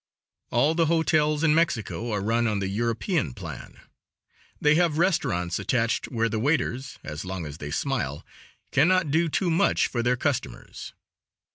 All the hotels in Mexico are run on the European plan. They have restaurants attached where the waiters, as long as they smile, cannot do too much for their customers.